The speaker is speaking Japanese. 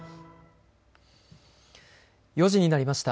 ４時になりました。